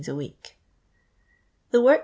a week. The I'orl' t'.